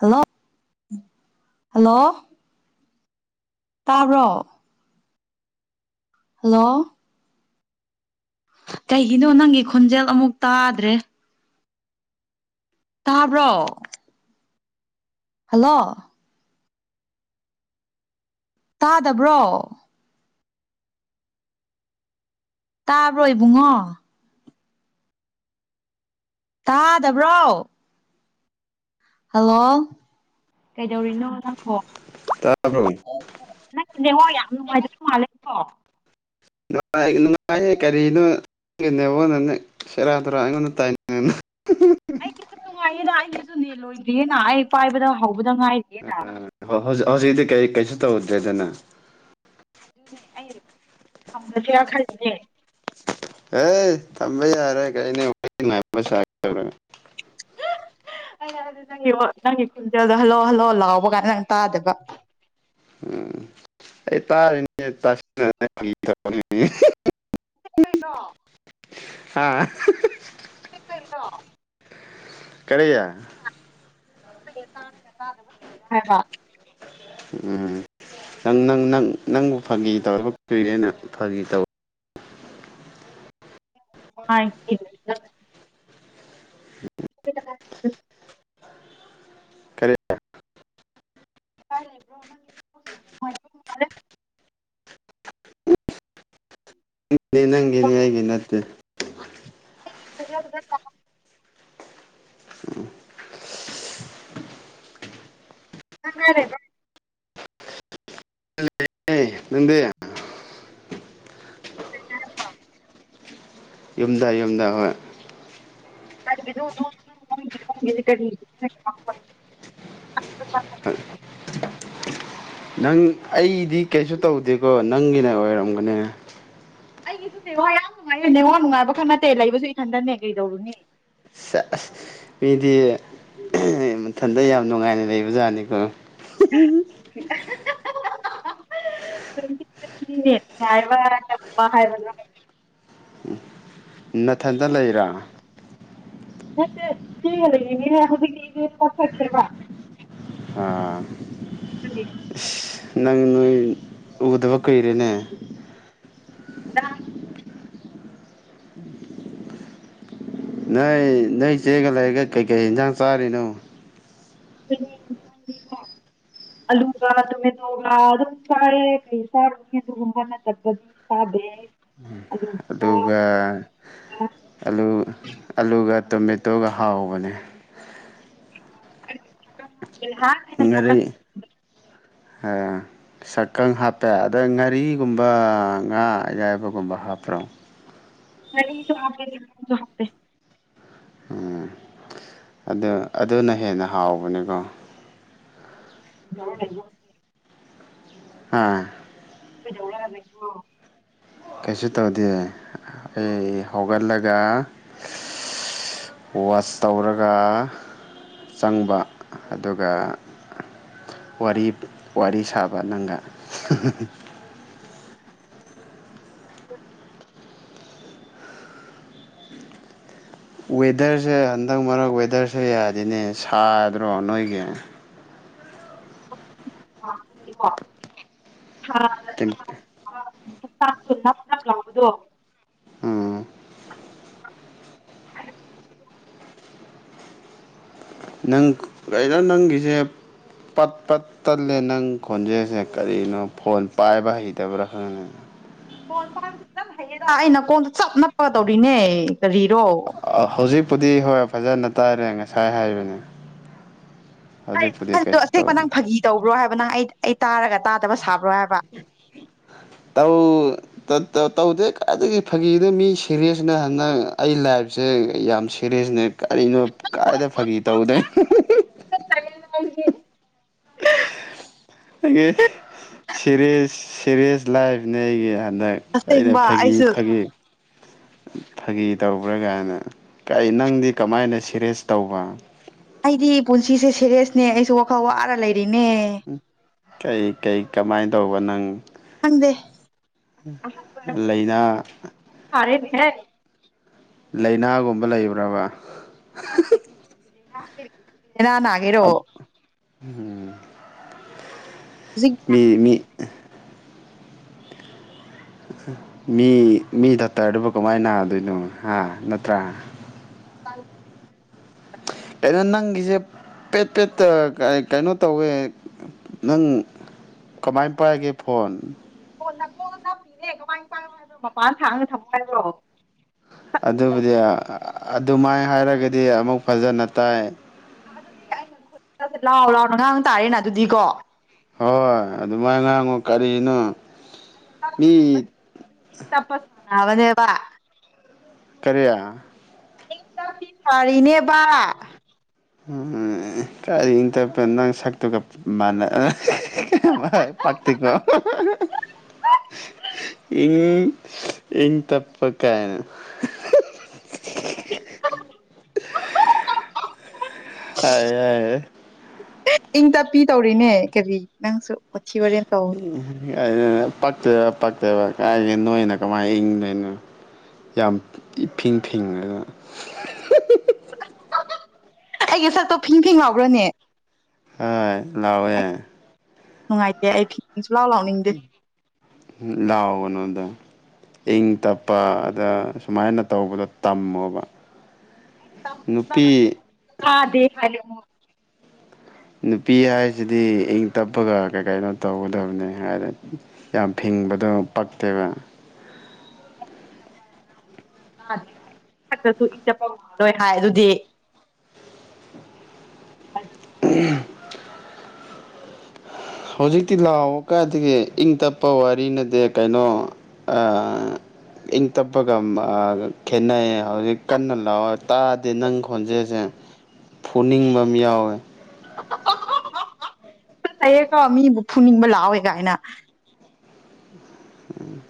hello hello ꯇꯔꯣ hello ꯀꯩꯒꯤꯅꯣ ꯅꯪꯒꯤ ꯈꯣꯟꯖꯦꯜ ꯑꯃꯨꯛ ꯇꯥꯗ꯭ꯔꯦ ꯇꯥꯕ꯭ꯔꯣ ꯍꯜꯂꯣ ꯇꯥꯗꯕ꯭ꯔꯣ ꯇꯥꯕ꯭ꯔꯣ ꯏꯕꯨꯡꯉꯣ ꯇꯥꯗꯕ꯭ꯔꯣ ꯍꯜꯂꯣ ꯀꯩꯗꯧꯔꯤꯅꯣ ꯅꯪꯕꯣ ꯇꯥꯕ꯭ꯔꯣ ꯑꯣ ꯅꯪ ꯅꯡꯉꯣ ꯌꯥꯝ ꯅꯨꯡꯉꯥꯏꯖꯧ ꯃꯥꯜꯂꯦꯀꯣ ꯅꯨꯡꯉꯥꯏꯌꯦ ꯀꯔꯤꯅꯣꯅꯦꯕꯣꯟ ꯅ ꯁꯦꯔꯥ ꯇꯔꯥ ꯑꯩꯉꯣꯟꯗ ꯇꯥꯏꯅꯤꯡꯅ [inaudible] ꯂꯣꯏꯗꯦꯅ ꯑꯩ ꯄꯥꯏꯕꯗ ꯍꯧ ꯕꯨꯗ ꯉꯥꯏꯗꯤꯅ ꯍꯧꯖꯤꯛꯗꯤ ꯀꯩ ꯀꯩꯁꯨ ꯇꯧꯗ꯭ꯔꯦꯗꯅ ꯑꯗꯨꯅꯦ ꯑꯩ ꯊꯝꯈ꯭ꯔꯁꯦꯔ ꯈꯜꯂꯦꯅꯦ ꯑꯦ ꯇꯝꯕꯩ ꯌꯥꯔ ꯀꯩꯅ ꯆꯔ ꯑꯩ ꯅꯪꯒꯤ ꯅꯪꯒꯤ ꯈꯣꯟꯖꯦꯜꯗꯣ ꯍꯜꯂꯛꯑꯣ ꯍꯜꯂꯛꯑꯣ ꯂꯥꯎꯕ ꯀꯥꯟꯗ ꯅꯪ ꯇꯥꯗꯕ ꯎꯝ ꯑꯩ ꯇ ꯔꯣ ꯑꯥ ꯏꯗꯤ ꯄꯔꯗꯣ ꯀꯔꯌꯥ ꯑꯁ ꯇꯥꯔꯒ ꯇꯥꯗꯕꯕ ꯎꯝ ꯅꯪ ꯅꯪ ꯅꯪ ꯅꯪꯕꯨ ꯐꯥꯒꯤ ꯇꯧ ꯀꯨꯏꯔꯦꯅ ꯐꯥꯒꯤ ꯇꯧ ꯃꯥ [inaudible] ꯀꯔꯤ ꯀꯥꯏ ꯂꯩꯕ꯭ꯔꯣ ꯅꯪꯦꯅꯦ ꯍꯒꯅ ꯅꯠꯇꯦ ꯗ ꯑ ꯀꯔꯦꯕ ꯑꯦ ꯅꯗ ꯀꯔꯤꯌꯥꯔ ꯄ ꯌꯨꯝꯗꯥ ꯌꯨꯝꯗꯥ ꯍꯣꯏ [unintelligible] [unintelligible] [inaudible] [inaudible] ꯅꯪ ꯑꯩ ꯀꯩꯁꯨ ꯇꯧꯗꯦꯀꯣ ꯅꯪꯒꯤꯅ ꯑꯣꯏꯔꯝꯒꯅꯤ ꯑꯩꯒꯤꯁꯨ ꯅꯦ ꯋꯥꯏ ꯌꯥꯝ ꯅꯨꯡꯉꯥꯏꯌꯦ ꯅꯉꯍ ꯅꯨꯡꯉꯥꯏꯕ ꯈꯔ ꯅꯠꯇꯦ ꯂꯩꯕꯁꯨ ꯏ ꯈꯟꯗꯅꯦ ꯀꯩꯗꯧꯔꯨꯅꯤ ꯑꯁ ꯃꯤꯗꯤ ꯃꯊꯟꯇ ꯌꯥꯝ ꯅꯨꯡꯉꯥꯏꯅ ꯂꯩꯕ ꯖꯥꯠꯅꯤ ꯎꯝ ꯎꯝ ꯍꯥꯏꯕ ꯆꯝꯕ ꯍꯥꯏꯕꯗ ꯅꯊꯟꯗ ꯂꯩꯔꯥ ꯂꯩ ꯌꯥꯗꯤꯁꯦꯕ ꯑꯥ ꯑꯗꯨꯗꯤ ꯅꯪ ꯅꯣꯏ ꯎꯗꯕ ꯀꯩꯔꯅꯦ [inaudible] ꯅꯣꯏ ꯅꯣꯏ ꯆꯦꯒ ꯂꯩꯔꯒ ꯀꯩꯀꯩ ꯌꯦꯟꯁꯥꯡ ꯆꯥꯔꯤꯅꯣ ꯑꯩꯈꯣꯏꯒꯤ ꯌꯦꯟꯁꯥꯡꯗꯤꯀꯣ ꯑꯂꯨꯒ ꯇꯣꯃꯦꯇꯣꯒ ꯑꯗꯨꯝ ꯆꯥꯔꯦ ꯀꯔꯤ ꯆꯥꯔꯅꯤ ꯑꯗꯨꯒꯨꯝꯕ ꯅꯠꯇ꯭ꯔꯒꯗꯤ ꯆꯥꯗꯦ ꯑꯂꯨ ꯑꯗꯨꯒ ꯑ ꯑꯂꯨ ꯑꯂꯨꯒ ꯇꯣꯃꯦꯇꯣꯒ ꯍꯥꯎꯕꯅꯦ ꯊ ꯍꯥ ꯑ ꯁꯛꯀꯪ ꯍꯥꯞꯄꯦ ꯑꯗ ꯉꯥꯔꯤ ꯑꯗꯨꯒꯨꯝꯕ ꯉꯥ ꯑꯌꯥꯏꯕꯒꯨꯝꯕ ꯍꯥꯞꯄ꯭ꯔꯣ ꯉꯥꯔꯤꯁꯨ ꯍꯥꯞꯄꯦ ꯑꯗꯨ ꯑꯗꯨꯅ ꯍꯦꯟꯅ ꯍꯥꯎꯕꯅꯤꯀꯣ [unintelligible] ꯑꯥ ꯀꯩꯗꯧꯔ ꯂꯩꯕ꯭ꯔꯣ ꯀꯩꯁꯨ ꯇꯧꯗꯦ ꯑꯩ ꯍꯧꯒꯠꯂꯒ ꯋꯥꯆ ꯇꯧꯔꯒ ꯆꯪꯕ ꯑꯗꯨꯒ ꯋꯥꯔꯤ ꯋꯥꯔꯤ ꯁꯥꯕ ꯅꯪꯒ [inaudible] ꯋꯦꯗꯔꯁꯦ ꯍꯟꯗꯛ ꯃꯔꯛ ꯋꯦꯗꯔꯁꯦ ꯌꯥꯗꯤꯅꯦ ꯁꯥꯗ꯭ꯔꯣ ꯅꯣꯏꯒꯤ [unintelligible] ꯇꯅꯦ ꯍꯛꯆꯥꯡꯁꯨ ꯅꯞ ꯅꯞ ꯂꯥꯎꯕꯗꯣ ꯎꯝ ꯅꯪ ꯀꯩꯅꯣ ꯅꯪꯒꯤꯁꯦ ꯄꯠ ꯄꯠ ꯇꯠꯂꯦ ꯅꯪ ꯈꯣꯟꯖꯦꯜꯁꯦ ꯀꯔꯤꯅꯣ ꯐꯣꯟ ꯄꯥꯏꯕ ꯍꯩꯇꯕ꯭ꯔꯥ ꯈꯪꯉ ꯀꯣꯟꯕꯗꯨ ꯆ ꯍꯩꯌꯦꯔ ꯑꯩꯅ ꯀꯣꯟꯗ ꯆꯞ ꯅꯞꯄ ꯇꯧꯔꯤꯅꯦ ꯀꯔꯤꯔꯣ ꯍꯧꯖꯤꯛꯄꯨꯗꯤ ꯍꯣꯏ ꯐꯖꯅ ꯇꯥꯏꯔꯦ ꯉꯁꯥꯏ ꯍꯥꯏꯕꯅꯤ ꯑꯟꯗꯣ ꯑꯁꯦꯛꯄ ꯅꯪ ꯐꯥꯒꯤ ꯇꯧꯕ꯭ꯔꯣ ꯍꯥꯏꯕ ꯅꯪ ꯑꯩ ꯑꯩ ꯇꯥꯔꯒ ꯇꯥꯗꯕ ꯁꯥꯕ꯭ꯔꯣ ꯍꯥꯏꯕ ꯇꯧꯗꯦ ꯀꯥꯏꯗꯒꯤ ꯐꯥꯒꯤꯅꯣ ꯃꯤ ꯁꯦꯔꯤꯌꯁꯅꯦ ꯍꯟꯗꯛ ꯑꯩ ꯂꯥꯏꯐꯁꯦ ꯌꯥꯝ ꯁꯦꯔꯤꯌꯁꯅꯦ ꯀꯔꯤꯅꯣ ꯀꯥꯏꯗ ꯐꯥꯒꯤ ꯇꯧꯗꯦ ꯗꯤ ꯑꯩꯒꯤ ꯁꯦꯔꯤꯁ ꯁꯦꯔꯤꯁ ꯂꯥꯏꯚꯅꯦ ꯑꯩꯒꯤ ꯗ ꯑꯩꯅ ꯑꯁꯦꯡꯕ ꯐꯥꯒꯤ ꯑꯩꯁꯨ ꯐꯥꯒꯤ ꯐꯥꯒꯤ ꯇꯧꯕ꯭ꯔꯥ ꯀꯥꯏꯅ ꯀꯥꯏ ꯅꯪꯗꯤ ꯀꯃꯥꯏꯅ ꯁꯦꯔꯦꯁ ꯇꯧꯕ ꯑꯩꯗꯤ ꯄꯨꯟꯁꯤꯁꯦ ꯁꯦꯔꯦꯁꯅꯦ ꯑꯩꯁꯨ ꯋꯥꯈꯜ ꯋꯥꯔ ꯂꯩ ꯑꯗꯨꯅꯦ ꯀꯩ ꯀꯩ ꯀꯃꯥꯏꯅ ꯇꯧꯕ ꯅꯪ ꯪꯈꯪꯗꯦ ꯂꯩꯅꯥ ꯁꯔꯦ ꯍꯥꯏ ꯂꯥꯏꯅꯥꯒꯨꯝꯕ ꯂꯩꯕ꯭ꯔꯕ [unintelligible] ꯑ ꯂꯩꯅꯥ ꯅꯒꯤꯔꯣ ꯎꯝ ꯍꯧꯖꯤꯛ ꯃꯤ ꯃꯤ ꯃꯤ ꯃꯤ ꯗꯥꯛꯇꯔꯗꯨꯕꯨ ꯀꯃꯥꯏꯅ ꯅꯥꯗꯣꯏꯅꯣ ꯍꯥ ꯅꯠꯇ꯭ꯔꯥ ꯆ ꯑꯩꯁꯦ ꯄꯦꯠ ꯄꯦꯠꯇ ꯀꯩꯅꯣ ꯇꯧꯋꯦ ꯅꯪ ꯀꯃꯥꯏꯅ ꯄꯥꯏꯒꯦ ꯐꯣꯟ ꯅꯀꯣ ꯅꯞꯄꯤꯤꯔꯦ ꯀꯃꯥꯏꯅ ꯇꯥꯏꯅꯣ ꯍꯥꯏꯕ꯭ꯔꯣ ꯃꯄꯥꯟ ꯁꯥꯡꯅ ꯊꯝꯃꯣ ꯍꯥꯏꯕ꯭ꯔꯣ ꯑꯗꯨꯕꯨꯗꯤ ꯑꯗꯨꯃꯥꯏꯅ ꯍꯥꯏꯔꯒꯗꯤ ꯑꯃꯨꯛ ꯐꯖꯟ ꯑꯠꯇꯏ ꯑꯗꯨꯗꯤ ꯑꯩꯅ ꯈ ꯂꯥꯛꯑꯣ ꯂꯥꯛꯑꯣ ꯉꯥꯡ ꯇꯥꯔꯦꯅ ꯑꯗꯨꯗꯤꯀꯣ ꯍꯣꯏ ꯑꯗꯨꯃꯥꯏ ꯉꯥꯡꯉꯨ ꯀꯔꯤꯁꯤꯅꯣ ꯇ ꯄꯁ ꯅꯦꯕ ꯀꯔꯤꯌꯥ ꯇꯄꯤ ꯁꯥꯔꯤꯅꯦꯕ ꯎꯝ ꯀꯥꯏ ꯏ ꯇ ꯅꯪ ꯁ ꯀꯅꯚ ꯄꯔꯇꯤꯀꯣ ꯏ ꯏ ꯇꯞ ꯀꯥꯏꯅ [inaudible] ꯍꯥꯏꯑ ꯍꯥꯏ ꯏꯪ ꯇꯞꯄꯤ ꯇꯧꯔꯤꯅꯦ ꯀꯔꯤ ꯅꯪꯁꯨ ꯃꯤ ꯃꯔꯦꯟ ꯇꯥꯎꯟ ꯄꯛꯇꯕ ꯄꯛꯇꯕ ꯀꯥꯏꯒꯦ ꯅꯣꯏꯅ ꯀꯃꯥꯏꯅ ꯏꯪꯗꯣꯏꯅꯣ ꯌꯥꯝ ꯏꯐꯤꯡ ꯐꯤꯡꯉꯗꯅ ꯑꯩ ꯉ ꯁꯠꯇꯣ ꯐꯤꯡ ꯐꯤꯡ ꯉꯥꯎꯈ꯭ꯔꯅꯦ ꯍꯣꯏ ꯂꯥꯎꯋꯦ ꯅꯨꯡꯉꯥꯏꯇꯦ ꯑꯩ ꯁꯂ ꯂꯥꯎꯗꯦ ꯂꯥꯎꯒꯅꯣꯗ ꯏꯪ ꯇꯞꯄ ꯑꯗ ꯁꯨꯃꯥꯏꯅ ꯇꯧꯕꯗꯣ ꯇꯝꯃꯣꯕ ꯅꯨꯄꯤ ꯍꯥꯥ ꯗꯦꯗꯦ ꯅꯨꯄꯤ ꯍꯥꯏꯁꯤꯗꯤ ꯏꯪ ꯇꯞꯄꯒ ꯀꯩ ꯀꯩꯅꯣ ꯇꯧꯒꯗꯕꯅꯤ ꯍꯥꯏꯅ ꯌꯥꯝ ꯐꯤꯡꯕꯗꯣ ꯄꯛꯇꯦꯕ ꯊꯛꯇꯁꯨ ꯏꯪ ꯇꯞꯄ ꯉꯂꯣꯏ ꯍꯥꯏ ꯑꯗꯨꯗꯤ ꯑ ꯍꯧꯖꯤꯛꯇꯤ ꯂꯥꯎꯕ ꯀꯥꯏꯗꯤ ꯏꯪ ꯇꯞꯄ ꯋꯥꯔꯤꯅꯗꯤꯦ ꯀꯩꯅꯣ ꯏꯪ ꯇꯞꯄꯒ ꯈꯦꯠꯅꯩ ꯍꯧꯖꯤꯛ ꯀꯟꯅ ꯂꯥꯎꯑꯣ ꯇꯥꯗꯦ ꯅꯪ ꯈꯣꯟꯖꯦꯜꯁꯦ ꯐꯨꯅꯤꯡꯕ ꯑꯃ ꯌꯥꯎꯋꯦ ꯂꯩꯌꯦꯀꯣ ꯃꯤꯕꯨ ꯐꯨꯅꯤꯡꯕ ꯂꯥꯛꯋꯦ ꯀꯥꯏꯅ ꯎꯝ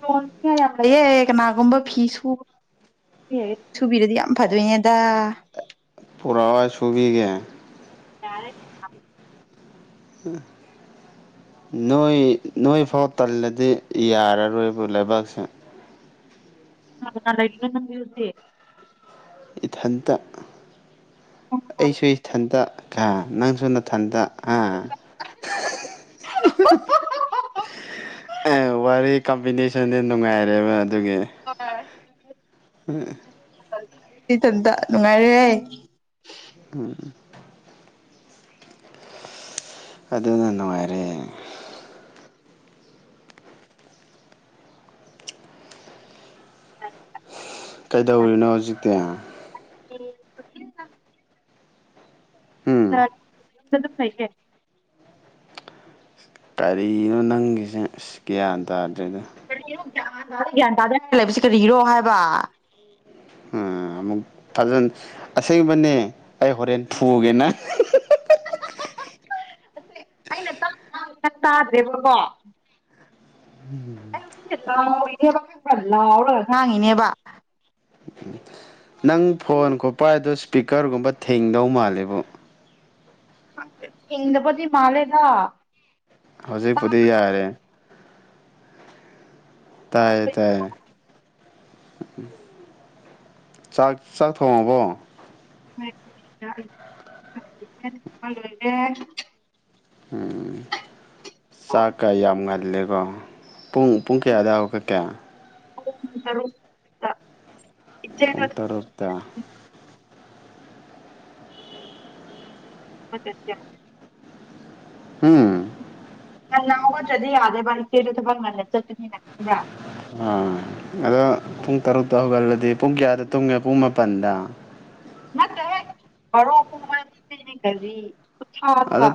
ꯂꯣꯟꯁꯨ ꯀꯌꯥ ꯌꯥꯝ ꯂꯩꯑꯦ ꯀꯅꯥꯒꯨꯝꯕ ꯐꯤ ꯁꯨꯕ ꯁꯨꯕꯤꯔꯗꯤ ꯌꯥꯝ ꯐꯗꯣꯏꯅꯦꯗ ꯄꯨꯔꯋꯥ ꯆꯕꯤꯤꯒ ꯀꯔ ꯊ ꯅꯣꯏ ꯅꯣꯏ ꯐꯥꯎ ꯇꯜꯂꯗꯤ ꯌꯥꯔꯔꯣꯏꯕ ꯂꯩꯕꯥꯛꯁꯦ ꯏ ꯌꯨꯁꯦ ꯏꯊꯟꯇ ꯑꯩꯁꯨ ꯏꯊꯟꯇ ꯀ ꯅꯪꯁꯨꯅ ꯊꯟꯗ ꯑ ꯋꯥꯔ ꯀꯝꯕꯤꯅꯦꯁꯟꯁꯦ ꯅꯨꯡꯉꯥꯏꯔꯦꯕ ꯍ ꯎꯝ ꯅꯨꯡꯉꯥꯏꯔꯦ ꯎꯝ ꯑꯗꯨꯅ ꯅꯨꯡꯉꯥꯏꯔꯦ ꯀꯩꯗꯧꯔꯤꯅꯣ ꯍꯧꯖꯤꯛꯇꯤ [inaudible] ꯎ ꯎꯝ ꯌꯨꯝꯗ ꯑꯗꯨꯝ ꯐꯩꯒꯦ ꯀꯔꯤꯅꯣ ꯅꯪꯒꯤꯁꯦ ꯑ ꯒ꯭ꯌꯥꯟ ꯇꯥꯗ꯭ꯔꯦꯗ ꯒ꯭ꯌꯥꯟ ꯇꯥꯗ ꯂꯩꯕꯁꯤ ꯀꯔꯤꯒꯤꯔꯣ ꯍꯥꯏꯕ ꯎꯝ ꯑꯃꯨꯛ ꯐꯖꯅ ꯑꯁꯦꯡꯕꯅꯦ ꯑꯩ ꯍꯣꯔꯦꯟ ꯐꯨꯒꯦꯅ ꯑꯩꯅ ꯇꯥꯗ꯭ꯔꯦꯕꯀꯣ [unintelligible] ꯂꯥꯎꯔꯒ ꯍꯥꯡꯉꯤꯅꯦꯕ ꯎ ꯅꯪ ꯐꯣꯟ ꯈꯣꯠꯄ ꯍꯥꯏꯗꯣ ꯏꯁꯄꯤꯀꯔꯒꯨꯝꯕ ꯊꯦꯡꯗꯧ ꯃꯥꯂꯦꯕꯨ ꯪ ꯍꯗꯕꯗꯤ ꯃꯥꯂꯦꯗ ꯍꯧꯖꯤꯛꯄꯗꯤ ꯌꯥꯔꯦ ꯇꯥꯏꯌꯦ ꯇꯥꯏꯌꯦ ꯆꯥꯛ ꯆꯥꯛ ꯊꯣꯡꯉꯕꯣ ꯈꯃꯗ ꯑꯩꯕꯨꯔꯦ ꯊꯣꯡꯕ ꯂꯣꯏꯔꯦ ꯎꯝ ꯆ ꯀꯥꯏ ꯌꯥꯝ ꯉꯜꯂꯦ ꯑꯣ ꯄꯨꯡ ꯄꯨꯡ ꯀꯌꯥꯗꯎꯔꯒ ꯀꯌꯥ ꯎꯝ ꯇꯔ ꯄꯟ ꯇꯔꯐꯇ ꯃ ꯎꯝ ꯅꯅꯥꯎꯕ ꯆꯗꯤ ꯌꯥꯗꯦꯕꯆꯦꯗ ꯊꯕꯛ ꯉꯟꯅ ꯆꯠꯀꯅꯤꯅ ꯈꯪꯕ꯭ꯔꯥ ꯑ ꯑꯗꯣ ꯄꯨꯡ ꯇꯔꯨꯛꯇ ꯍꯧꯒꯠꯂꯗꯤ ꯄꯨꯡ ꯀꯌꯥꯗ ꯇꯨꯡꯉꯦ ꯄꯨꯡ ꯄꯗ ꯅ ꯀꯦ ꯈꯔꯣ ꯀꯔꯤ ꯎꯊꯥꯗꯨ ꯑꯗꯣ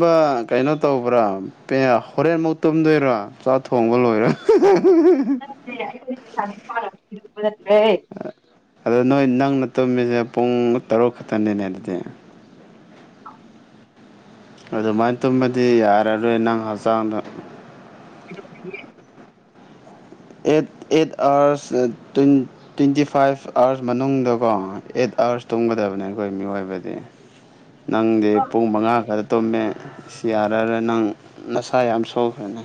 ꯀꯩꯅꯣ ꯇꯧꯕ꯭ꯔꯥ ꯍꯣꯔꯦꯟꯃꯨꯛ ꯇꯨꯝꯗꯣꯏꯔꯥ ꯆꯥꯛ ꯊꯣꯡꯕ ꯂꯣꯏꯔ ꯅꯦ ꯠꯇꯔꯦ ꯑꯗꯣ ꯅꯣꯏ ꯅꯪꯅ ꯇꯨꯝꯝꯃꯤꯁꯦ ꯄꯨꯡ ꯇꯔꯨꯛ ꯈꯛꯇꯅꯤꯅꯦ ꯑꯗꯨꯗꯤ ꯑ ꯑꯗꯨꯃꯥꯏꯅ ꯇꯨꯝꯃꯗꯤ ꯌꯥꯔꯔꯣꯏ ꯅꯪ ꯍꯛꯆꯥꯡꯗ [inaudible] eight eight hours twenty five hours ꯃꯅꯨꯡꯗꯀꯣ ꯑꯦꯠ ꯑꯥꯋꯔꯁ ꯇꯨꯝꯒꯗꯕꯅꯦ ꯑꯩꯈꯣꯏ ꯃꯤꯑꯣꯏꯕꯗꯤ ꯅꯪꯗꯤ ꯄꯨꯡ ꯃꯉꯥ ꯈꯔ ꯇꯨꯝꯃꯦ ꯌꯥꯔꯔꯦ ꯅꯪ ꯅꯁꯥ ꯌꯥꯝ ꯁꯣꯛꯈ꯭ꯔꯦꯅꯦ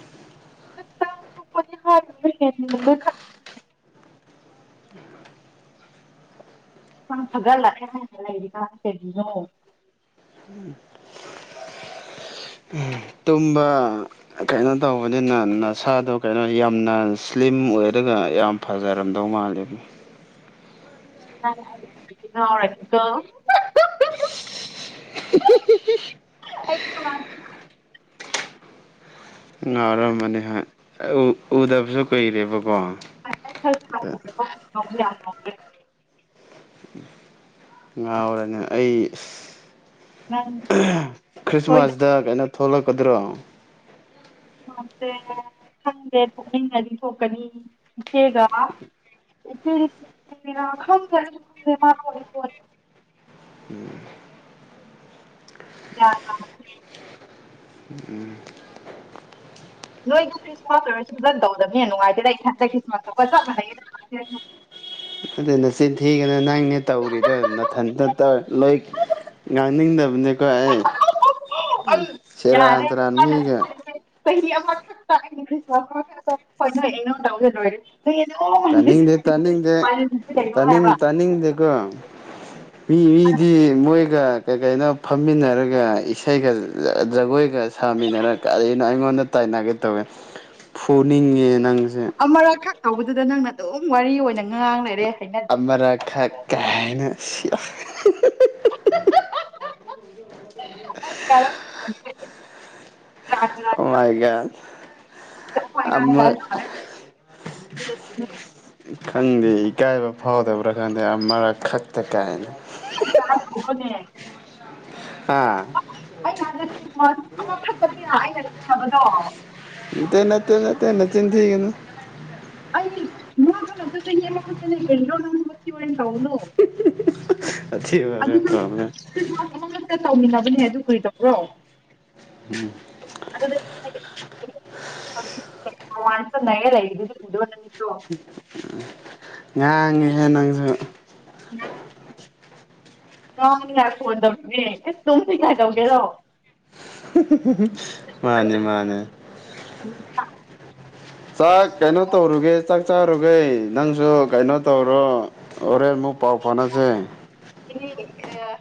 ꯈꯛꯛꯇꯥꯡ ꯁꯣꯛꯄꯅꯤ ꯍꯥꯏꯕꯅꯦ ꯍ ꯈ ꯐꯒꯠꯂꯛꯀꯦ ꯍꯥꯏꯅ ꯂꯩꯔꯤꯀ ꯀꯦꯒꯤꯅꯣ ꯎ ꯇꯨꯝꯕ ꯀꯩꯅꯣ ꯇꯧꯕꯅꯤꯅ ꯅꯁꯥꯗꯣ ꯀꯩꯅꯣ ꯌꯥꯝꯅ ꯁ꯭ꯂꯤꯝ ꯑꯣꯏꯔꯒ ꯌꯥꯝ ꯐꯖꯔꯝꯗꯧ ꯃꯥꯜꯂꯕ ꯍꯥꯏꯔꯅꯤꯀꯣ ꯉꯥꯎꯔꯝꯃꯅꯤ ꯍꯥꯏ ꯎ ꯎꯗꯕꯁꯨ ꯀꯨꯏꯔꯦꯕꯀꯣ ꯌꯥꯝ ꯉꯥꯎꯈ꯭ꯔꯦ ꯉꯥꯎꯔꯅꯦ ꯑꯩ ꯈ꯭ꯔꯤꯁꯃꯥꯁꯗ ꯀꯩꯅꯣ ꯊꯣꯂꯛ ꯀꯗ꯭ꯔꯛ ꯈ꯭ꯔꯤꯁꯃꯥꯁꯁꯦ ꯈꯪꯗꯦ ꯊꯣꯛꯅꯤꯡꯉꯗꯤ ꯊꯣꯛꯀꯅꯤ ꯏꯆꯦꯒ ꯏꯆꯦꯗꯤ ꯊꯣꯛꯔ ꯈꯪꯗ꯭ꯔꯦ ꯑꯩꯁꯨ ꯈꯪꯗꯦ ꯃꯥ ꯈꯣꯂ ꯈꯣꯂꯦ ꯎꯝ ꯌꯥ ꯀ ꯎꯝ ꯅꯣꯏꯒꯤ ꯈ꯭ꯔꯤꯁꯃꯥꯁ ꯑꯣꯏꯔꯁꯨ ꯐꯖꯅ ꯇꯧꯗꯅꯤꯅ ꯅꯨꯡꯉꯥꯏꯇꯔꯗ ꯏꯊꯟ ꯃ ꯀꯖ ꯃꯅꯦ [unintelligible] ꯑꯗꯨ ꯅꯆꯤꯟ ꯊꯤꯒꯅ ꯅꯪꯅꯦ ꯇꯧꯔꯤꯗꯣ ꯅꯥꯊꯟꯇ ꯇꯧ ꯂꯣꯏ ꯉꯥꯡꯅꯤꯡꯗꯕ ꯀ ꯁꯦꯔ ꯇꯔꯥꯅꯤꯃꯤꯒ ꯆꯍꯤ ꯑꯃꯈꯛꯇ ꯑꯩꯅꯤ ꯈ꯭ꯔꯤꯁꯃꯥꯁ ꯑꯃꯈꯛꯇ ꯍꯣꯏ ꯅꯣꯏ ꯅꯧ ꯇꯧꯖꯔꯣꯏꯔꯦ ꯇꯅꯤꯡꯗꯦ ꯇꯥꯅꯤꯡꯗꯦ ꯇꯅꯤꯡ ꯇꯥꯅꯤꯡꯗꯦꯀꯣ ꯃꯤ ꯃꯤꯗꯤ ꯃꯣꯏꯒ ꯀꯩ ꯀꯩꯅꯣ ꯐꯝꯃꯤꯟꯅꯔꯒ ꯏꯁꯩꯒ ꯖꯒꯣꯏꯒ ꯁꯥꯃꯤꯟꯅꯔꯒ ꯀꯔꯤꯅꯣ ꯑꯩꯉꯣꯟꯗ ꯇꯥꯏꯅꯒꯦ ꯇꯧꯋꯦ ꯐꯨꯅꯤꯡꯉꯦ ꯅꯪꯁꯦ ꯑꯃꯔ ꯈ ꯇꯧꯕꯗꯨꯗ ꯅꯪꯅ ꯑꯗꯨꯝ ꯋꯥꯔꯤ ꯑꯣꯏꯅ ꯉꯉꯥꯡ ꯂꯩꯔꯦ ꯑꯔ ꯈ ꯀꯍꯅ ꯁꯤ [inaudible] [inaudible] ꯃꯥꯏ ꯒꯣꯗ ꯅꯤꯅꯤ ꯑꯃ ꯐꯔꯦ ꯈꯪꯗꯦ ꯏꯀꯥꯏꯕ ꯐꯥꯎꯗꯕ꯭ꯔꯥ ꯈꯪꯗꯦ ꯃꯔꯛ ꯈꯛꯇ ꯀꯥꯏꯅ ꯑꯩꯅꯦ ꯍꯥ ꯑꯩ ꯑꯃ ꯊꯛꯄꯅꯤꯅ ꯑꯩꯅ ꯈꯕꯗꯣ ꯏꯇꯅ ꯇ ꯇꯟꯅ ꯆꯤꯟꯊꯅꯤ ꯃ ꯑꯗꯨ ꯅ ꯑꯗꯨ ꯆ ꯃꯥꯦꯅꯦ ꯦꯟ꯭ꯔꯣꯅꯪ ꯋꯥ ꯇꯧꯕꯗꯨ ꯎ [unintelligible] ꯇꯧꯃꯤꯟꯅꯕꯅꯦ ꯑꯗꯨ ꯀꯩꯗꯧꯕꯔꯣ ꯎꯝ ꯑꯟꯁꯔ ꯏ ꯎꯗꯕ [unintelligible] ꯎ ꯉꯥꯡꯉꯤꯍꯦ ꯅꯪꯁꯨ ꯅꯍꯥꯛ ꯐꯣꯟ ꯇꯧꯔꯤꯅꯦ ꯅꯝꯗꯤ ꯀꯥꯏ ꯇꯧꯒꯦꯔꯣ ꯎ ꯃꯥꯅꯦ ꯃꯥꯅꯦ ꯆꯥꯛ ꯀꯩꯅꯣ ꯇꯧꯔꯨꯒꯦ ꯆꯥꯛ ꯆꯥꯔꯨꯈꯦ ꯅꯪꯁꯨ ꯀꯩꯅꯣ ꯔꯣ ꯑꯣꯔꯦ ꯃꯨꯛ ꯄꯥꯎ ꯐꯥꯅꯁꯦ [unintelligible]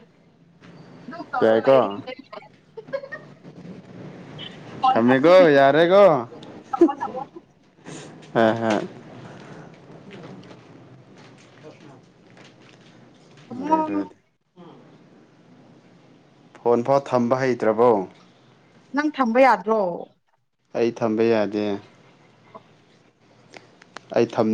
ꯑꯗꯨ ꯌꯥꯏꯀꯣ ꯇꯧꯗꯤ ꯊꯃꯤꯀꯣ ꯌꯥꯔꯦꯀꯣ ꯑꯥꯍꯥ ꯂꯩꯕꯗꯤ ꯐꯣꯟ ꯐꯥꯎ ꯊꯝꯕ ꯍꯩꯇ꯭ꯔꯕꯣ ꯅꯪ ꯊꯝꯕ ꯌꯥꯗ꯭ꯔꯣ ꯑꯩ ꯊꯝꯕ ꯌꯥꯗꯦ ꯑꯩ ꯊꯝ